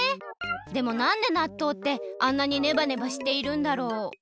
でもなんでなっとうってあんなにネバネバしているんだろう？